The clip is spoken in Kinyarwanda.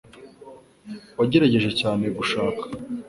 Wagerageje cyane gushaka ?